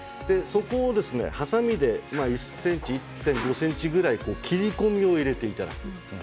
そこを、はさみで１．５ｃｍぐらい切り込みを入れていただく。